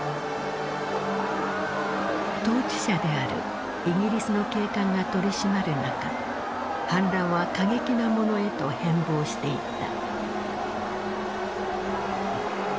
統治者であるイギリスの警官が取り締まる中反乱は過激なものへと変貌していった。